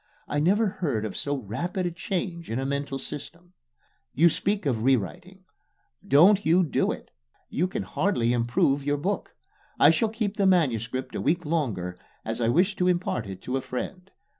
I never heard of so rapid a change in a mental system. You speak of rewriting. Don't you do it. You can hardly improve your book. I shall keep the MS. a week longer as I wish to impart it to a friend.